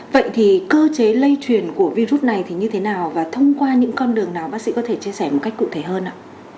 vậy thì cơ chế lây truyền của virus này thì như thế nào và thông qua những con đường nào bác sĩ có thể chia sẻ một cách cụ thể hơn ạ